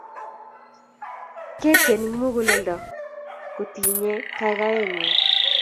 ketien eng mukuleldo kotinyei kakaikaet nyuu